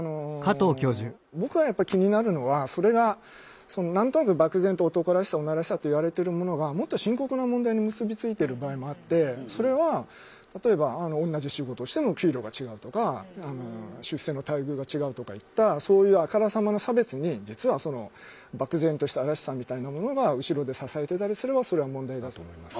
僕がやっぱり気になるのはそれが何となく漠然と男らしさ女らしさといわれてるものがもっと深刻な問題に結び付いてる場合もあってそれは例えば同じ仕事をしても給料が違うとか出世の待遇が違うとかいったそういうあからさまな差別に実は漠然とした「らしさ」みたいなものが後ろで支えてたりすればそれは問題だと思います。